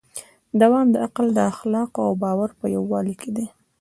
دوام د عقل، اخلاقو او باور په یووالي کې دی.